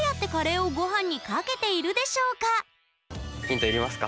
ではヒント要りますか？